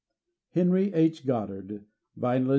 HENRY H. GODDARD. VlNELAND, N.